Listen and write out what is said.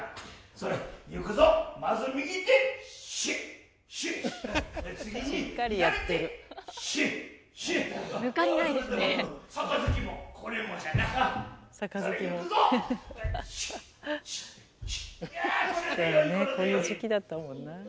そうだねこういう時期だったもんなあ。